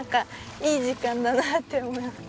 いい時間だなって思います。